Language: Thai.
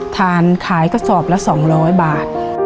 ทานขายกระสอบละ๒๐๐บาท